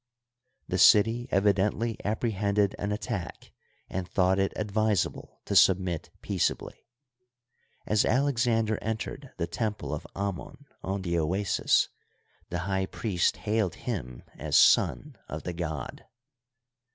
The city evidently apprehended an attack, and thought it advisable to submit peaceably. As Alexander entered the temple of Amon on the oasis, the high priest hailed him as son of the god.